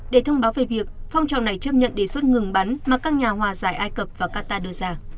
để thông báo về việc phong trào này chấp nhận đề xuất ngừng bắn mà các nhà hòa giải ai cập và qatar đưa ra